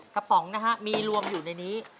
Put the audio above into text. ป๋องนะฮะมีรวมอยู่ในนี้